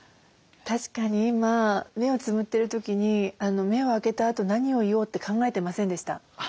確かに今目をつむってる時に目を開けたあと何を言おうって考えてませんでした。